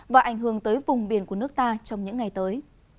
và ảnh hưởng tới vùng biển của nước ta trong những ngày tới